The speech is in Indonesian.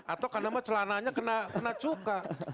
atau karena celananya kena cuka